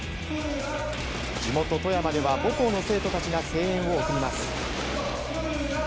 地元・富山では母校の生徒たちが声援を送ります。